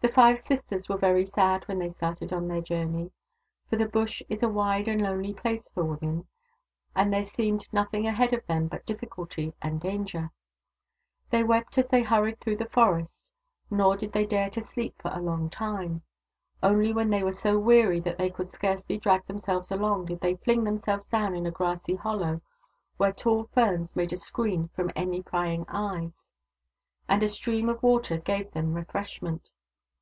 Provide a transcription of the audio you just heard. The five sisters were very sad when they started on their journey, for the Bush is a wide and lonely place for women, and there seemed nothing ahead of them but difficulty and danger. They wept as they hurried through the forest, nor did they dare to sleep for a long time. Only when they were so weary that they could scarcely drag themselves along, did they fling themselves down in a grassy hollow, where tall ferns made a screen from any prying eyes, and a stream of water gave them refreshment.